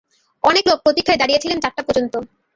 অনেক লোক প্রতীক্ষায় দাঁড়িয়ে ছিলেন চারটা পর্যন্ত।